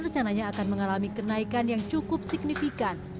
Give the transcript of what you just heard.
rencananya akan mengalami kenaikan yang cukup signifikan